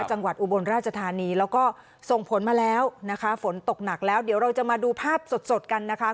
อุบลราชธานีแล้วก็ส่งผลมาแล้วนะคะฝนตกหนักแล้วเดี๋ยวเราจะมาดูภาพสดสดกันนะคะ